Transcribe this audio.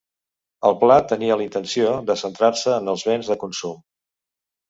El pla tenia la intenció de centrar-se en els béns de consum.